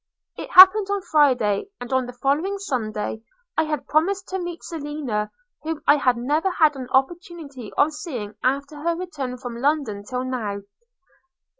It happened on Friday, and on the following Sunday I had promised to meet Selina, whom I had never had an opportunity of seeing after her return from London till now.